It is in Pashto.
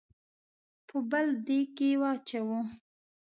په بل دېګ کې واچوو.